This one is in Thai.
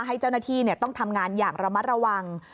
ให้เจ้าหน้าที่ต้องทำงานอย่างระมัดระวัง